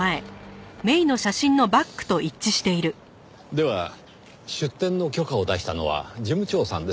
では出店の許可を出したのは事務長さんですか。